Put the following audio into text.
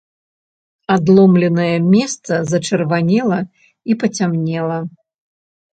Адломленае месца зачырванела і пацямнела.